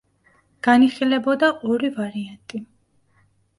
განიხილებოდა ორი ვარიანტი.